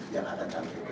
yang ada di jenderal